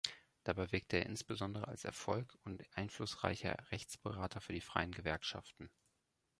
Dabei wirkte er insbesondere als erfolg- und einflussreicher Rechtsberater für die freien Gewerkschaften.